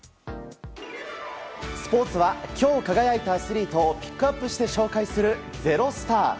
スポーツは今日輝いたアスリートをピックアップして紹介する「＃ｚｅｒｏｓｔａｒ」。